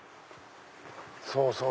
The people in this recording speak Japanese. そうそう！